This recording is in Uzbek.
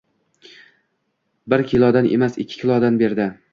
Bir kilodan emas, ikki kilodan berdi.